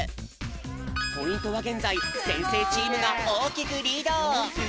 ポイントはげんざい先生チームがおおきくリード。